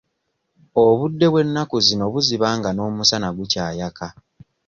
Obudde bw'ennaku zino buziba nga n'omusana gukyayaka.